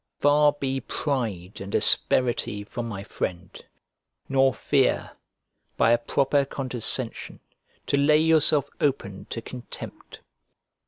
Far be pride and asperity from my friend; nor fear, by a proper condescension, to lay yourself open to contempt.